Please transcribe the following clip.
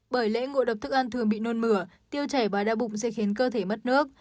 bởi lễ ngộ độc thức ăn thường bị nôn mửa tiêu chảy và đau bụng sẽ khiến cơ thể mất nước